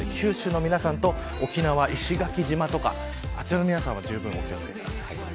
九州の皆さんと沖縄、石垣島とかあちらの皆さんはじゅうぶんお気を付けください。